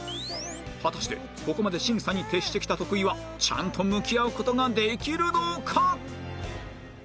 果たしてここまで審査に徹してきた徳井はちゃんと向き合う事ができるのか？